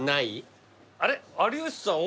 あれ有吉さん